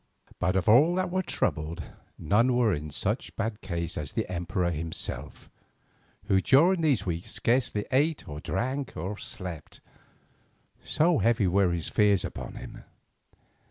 But of all that were troubled, none were in such bad case as the emperor himself, who, during these weeks scarcely ate or drank or slept, so heavy were his fears upon him.